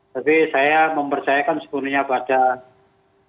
tapi saya mempercayakan sepenuhnya pada